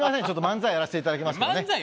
ちょっと漫才やらせていただきますからね。